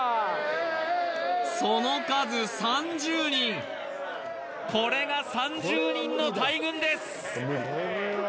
その数３０人これが３０人の大群です